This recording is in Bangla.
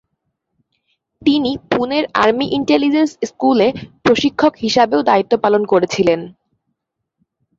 তিনি পুনের আর্মি ইন্টেলিজেন্স স্কুলে প্রশিক্ষক হিসাবেও দায়িত্ব পালন করেছিলেন।